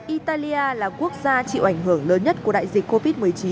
italia là quốc gia chịu ảnh hưởng lớn nhất của đại dịch covid một mươi chín